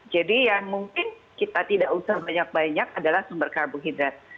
jadi yang mungkin kita tidak usah banyak banyak adalah sumber karbohidrat